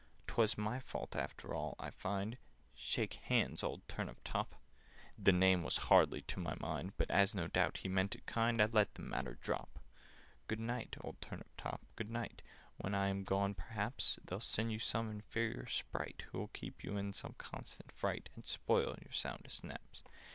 "'Twas my fault after all, I find— Shake hands, old Turnip top!" The name was hardly to my mind, But, as no doubt he meant it kind, I let the matter drop. "Good night, old Turnip top, good night! When I am gone, perhaps They'll send you some inferior Sprite, Who'll keep you in a constant fright And spoil your soundest naps.